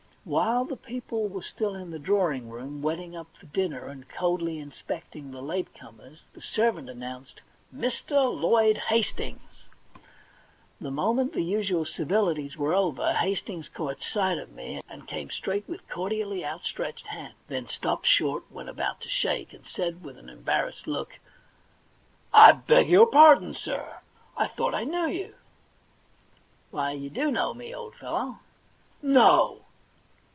While the people were still in the drawing room, whetting up for dinner, and coldly inspecting the late comers, the servant announced :' Mr. Lloyd Hastings.' The moment the usual civilities were over, Hast ings caught sight of me, and came straight with cordially outstretched hand; then stopped short when about to shake, and said with an embarrassed look: * I beg your pardon, sir, I thought I knew you/ * Why, you do know me, old fellow.' * No